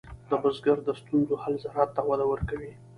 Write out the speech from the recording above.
د بزګر د ستونزو حل زراعت ته وده ورکوي.